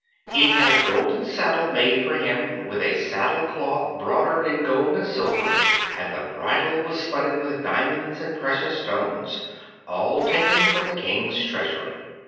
He had a golden saddle made for him, with a saddle cloth broidered in gold and silver, and the bridle was studded with diamonds and precious stones, all taken from the King's treasury.